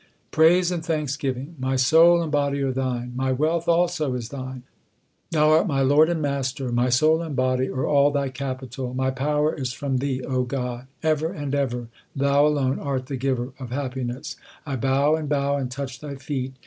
Praise and thanksgiving : My soul and body are Thine ; my wealth also is Thine ; Thou art my Lord and Master ; My soul and body are all Thy capital ; my power is from Thee, O God. Ever and ever Thou alone art the Giver of happiness. 1 bow and bow and touch Thy feet.